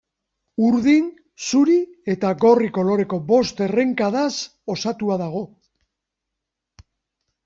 Urdin, zuri eta gorri koloreko bost errenkadaz osatua dago.